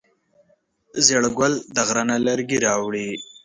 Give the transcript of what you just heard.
زیړ ګل د غره نه لرګی راوړی.